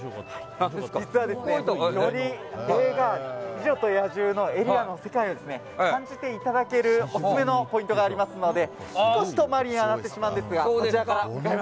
実は、より映画「美女と野獣」のエリアの世界を感じていただけるオススメのポイントがありますので少し遠回りになってしまいますが。